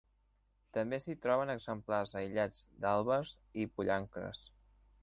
També s'hi troben exemplars aïllats d'àlbers i pollancres.